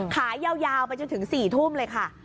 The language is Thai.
ขายยาวไปจนถึง๔ทุ่มเลยค่ะ